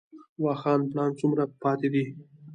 واخان پړانګ څومره پاتې دي؟